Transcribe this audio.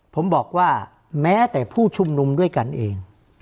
ผมบอกว่าแม้แต่ผู้ชุมนุมด้วยกันเอง